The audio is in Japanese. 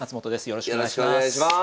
よろしくお願いします。